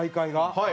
はい。